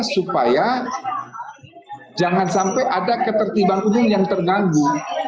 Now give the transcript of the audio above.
supaya jangan sampai ada ketertiban umum yang terganggu